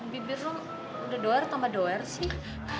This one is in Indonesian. bibir lo udah doer tambah doer sih